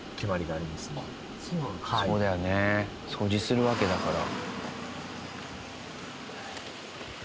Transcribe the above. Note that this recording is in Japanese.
そうだよね掃除するわけだから。